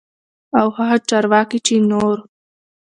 او هغه چارواکي چې نور